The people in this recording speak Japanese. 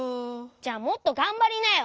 じゃあもっとがんばりなよ。